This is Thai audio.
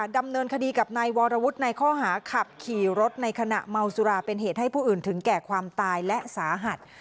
ดำเนินคดีกับนายวรวุฒิในข้อหาขับขี่รถในขณะเมาสุราเป็นเหตุให้ผู้อื่นถึงแก่ความตายและสาหัส